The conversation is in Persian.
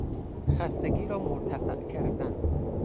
خستگی را مرتفع کردن